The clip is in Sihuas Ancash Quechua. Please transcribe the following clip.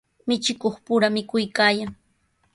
Michikuqpura mikuykaayan.